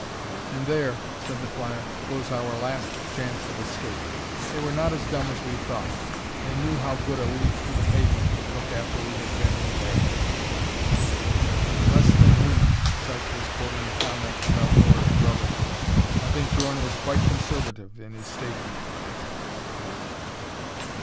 "And there," said the flyer, "goes our last chance of escape. They were not as dumb as we thought: they knew how good a leap to the pavement would look after we had been in there." "Less than human!" Sykes was quoting the comment of Althora's brother. "I think Djorn was quite conservative in his statement."